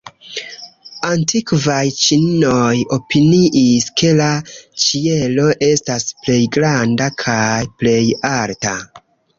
Antikvaj ĉinoj opiniis, ke la ĉielo estas plej granda kaj plej alta.